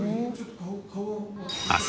明日